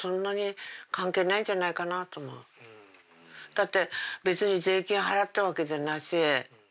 だって別に税金払ってるわけじゃないし。